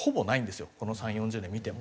この３０４０年見ても。